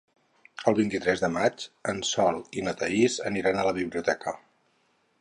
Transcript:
El vint-i-tres de maig en Sol i na Thaís aniran a la biblioteca.